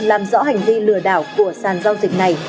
làm rõ hành vi lừa đảo của sàn giao dịch này